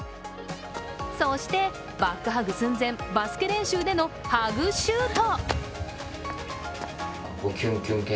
そして、バックハグ寸前バスケ練習でのハグシュート。